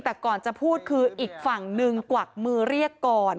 แต่ก่อนจะพูดคืออีกฝั่งหนึ่งกวักมือเรียกก่อน